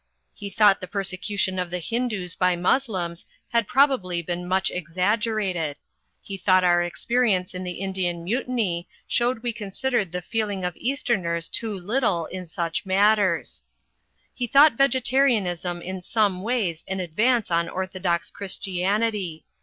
He thought the persecution of the Hindoos by Moslems had probably been much exaggerated ; he thought our experience in the Indian Mutiny showed we consid ered the feeling of Easterners too little in such matters. He thought Vegetarianism in some ways an advance on orthodox Christianity.